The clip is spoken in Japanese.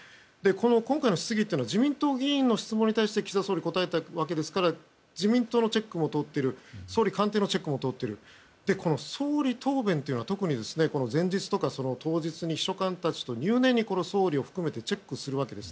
今回の質疑は自民党議員の質問に対して岸田総理が答えたわけですから自民党のチェックも通っている総理官邸のチェックも通っている総理答弁というのは特に前日や当日に秘書官たちと入念に総理を含めてチェックすると。